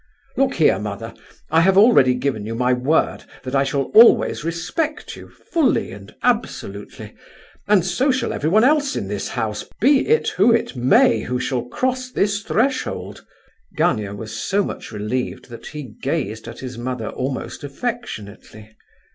"Look here, mother, I have already given you my word that I shall always respect you fully and absolutely, and so shall everyone else in this house, be it who it may, who shall cross this threshold." Gania was so much relieved that he gazed at his mother almost affectionately.